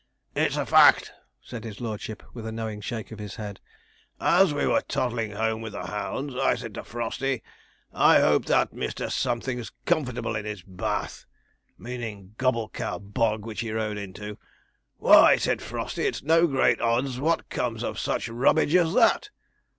'It's a fact,' said his lordship, with a knowing shake of his head. 'As we were toddling home with the hounds, I said to Frosty, "I hope that Mr. Something's comfortable in his bath" meaning Gobblecow Bog, which he rode into. "Why," said Frosty, "it's no great odds what comes of such rubbage as that."